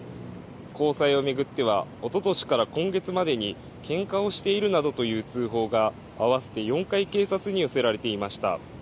交際を巡ってはおととしから今月までにけんかをしているなどという通報が合わせて４回警察に寄せられていました。